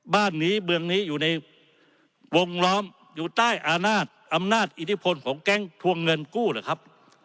บ้านนี้เมืองนี้อยู่ในวงล้อมอยู่ใต้อำนาจอำนาจอิทธิพลของแก๊งทวงเงินกู้เหรอครับ